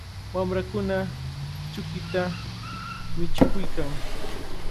Wamrakuna kuchita michikuykan.